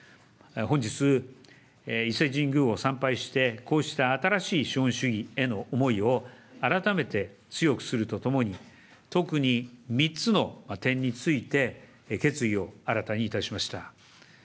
本日、伊勢神宮を参拝して、こうした新しい資本主義への思いを改めて強くするとともに、特に３つの点について、決意を新たにいたしました。